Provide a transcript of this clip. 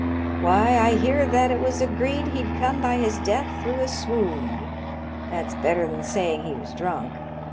" Why, I hear that it was agreed he'd come by his death through a swound. That's better than saying he was drunk.